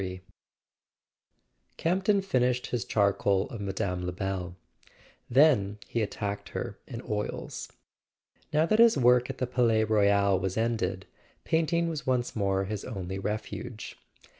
XXXIII AMPTON finished his charcoal of Mme. Lebel; \^Ji then he attacked her in oils. Now that his work at the Palais Royal was ended, painting was once more his only refuge.